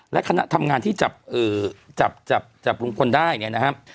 และคณะทำงานที่จับจับลุงพลได้เนี่ยนะครับ